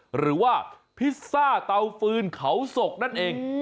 หรือว่าพิซซ่าเตาฟืนเขาศกนั่นเอง